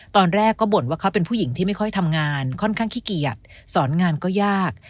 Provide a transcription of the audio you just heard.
ตอนแรกก็บ่นว่าเขาเป็นผู้หญิงที่ไม่ค่อยทำงานค่อนข้างขี้เกียจสอนงานก็ยาก